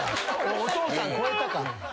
お父さん超えたか。